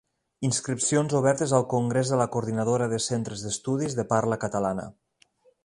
Inscripcions obertes al Congrés de la Coordinadora de Centres d'Estudis de Parla Catalana.